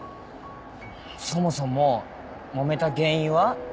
そもそももめた原因は？